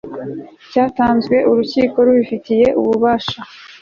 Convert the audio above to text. cyatanzwe urukiko rubifitiye ububasha